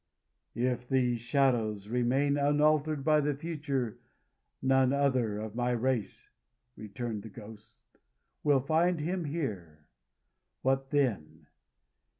"If these shadows remain unaltered by the Future none other of my race," returned the Ghost, "will find him here. What then?